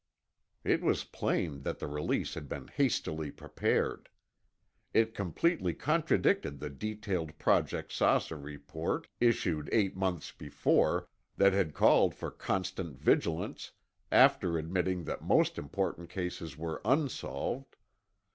It was plain that the release had been hastily prepared. It completely contradicted the detailed Project "Saucer" report, issued eight months before, that had called for constant vigilance, after admitting that most important cases were unsolved.